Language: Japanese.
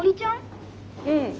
うん。